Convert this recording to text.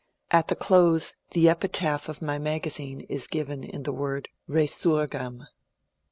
At the close the epitaph of my magazine is given in the word " Besurgam."